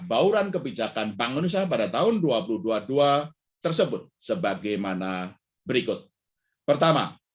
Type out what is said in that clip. bauran kebijakan bank indonesia pada tahun dua ribu dua puluh dua tersebut sebagaimana berikut pertama